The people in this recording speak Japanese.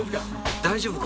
大丈夫か？